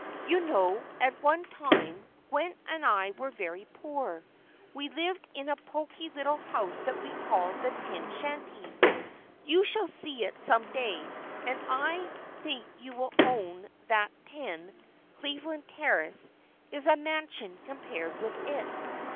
"You know, at one time, Gwen and I were very poor. We lived in a pokey little house that we called 'The Tin Shanty.' You shall see it some day, and I think you will own that Ten, Cleveland Terrace, is a mansion compared with it.